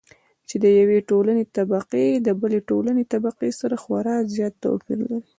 چې د يوې ټولنې طبقې د بلې ټولنې طبقې سره خورا زيات توپېر لري.